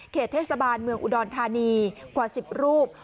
เทศบาลเมืองอุดรธานีกว่า๑๐รูป